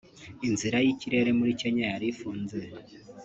inzira y’ikirere muri Kenya yari ifunze